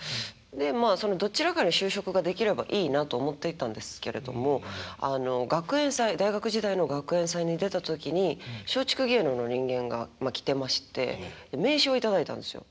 でまあそのどちらかに就職ができればいいなと思っていたんですけれどもあの学園祭大学時代の学園祭に出た時に松竹芸能の人間がまあ来てまして名刺を頂いたんですよ。